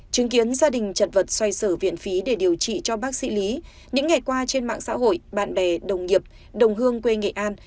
chứng kiến gia đình chật vật xoay sở viện phí để điều trị cho bác sĩ lý những ngày qua trên mạng xã hội bạn bè đồng nghiệp đồng hương quê nghệ an